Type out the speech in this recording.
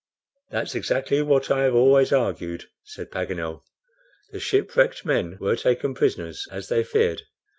"That's exactly what I have always argued," said Paganel. "The shipwrecked men were taken prisoners, as they feared.